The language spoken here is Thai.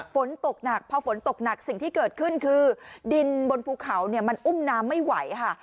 ฝนตกหนักพอฝนตกหนักสิ่งที่เกิดขึ้นคือดินบนภูเขาเนี่ยมันอุ้มน้ำไม่ไหวค่ะ